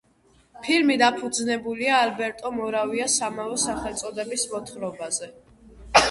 ფილმი დაფუძნებულია ალბერტო მორავიას ამავე სახელწოდების მოთხრობაზე.